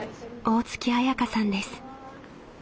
大槻綾香さんです。